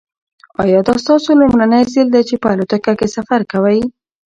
ایا دا ستاسو لومړی ځل دی چې په الوتکه کې سفر کوئ؟